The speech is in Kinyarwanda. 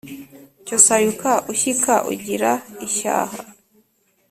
Cyo sayuka ushyika ugira ishyaha